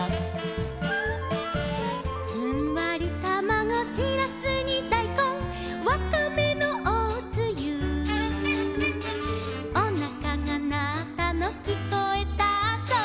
「ふんわりたまご」「しらすにだいこん」「わかめのおつゆ」「おなかがなったのきこえたぞ」